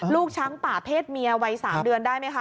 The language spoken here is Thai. ลูกช้างป่าเพศเมียวัย๓เดือนได้ไหมคะ